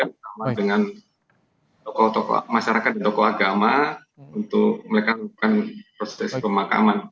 bersama dengan masyarakat dan tokoh agama untuk melakukan proses pemakaman